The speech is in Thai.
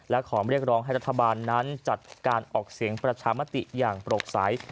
และขอเรียกร้องให้รัฐบาลนั้นจัดการออกเสียงประชามติอย่างโปร่งใส